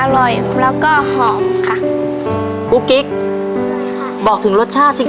อร่อยแล้วก็หอมค่ะครูกิ๊กอร่อยค่ะบอกถึงรสชาติใช่ไหม